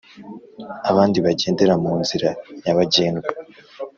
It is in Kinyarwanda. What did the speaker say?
Abandi bagendera mu nzira nyabagendwa